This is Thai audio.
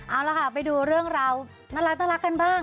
เอาล่ะค่ะไปดูเรื่องราวน่ารักกันบ้าง